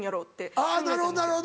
あぁなるほどなるほど。